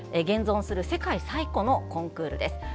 現存する世界最古のコンクールです。